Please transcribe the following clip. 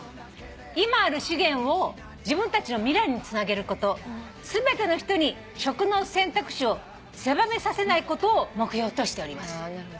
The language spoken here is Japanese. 「今ある資源を自分たちの未来につなげること」「全ての人に食の選択肢を狭めさせないことを目標としております」